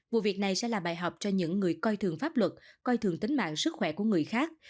vụ việc này sẽ là bài học cho những người coi thường pháp luật coi thường tính mạng sức khỏe của người khác